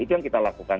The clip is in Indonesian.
itu yang kita lakukan